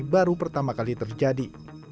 baru pertama kali terjadi